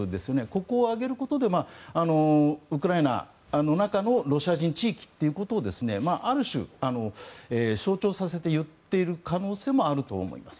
ここを挙げることでウクライナの中のロシア人地域ということをある種、象徴させて言っている可能性もあると思います。